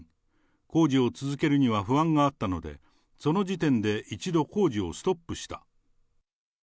工事を続けるには不安があったので、その時点で一度工事をストップした。